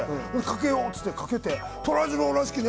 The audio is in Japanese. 「かけよう」っつってかけて。